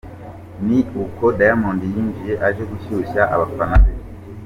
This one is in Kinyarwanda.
Ni uku Diamond yinjiye aje gushyushya abafana be.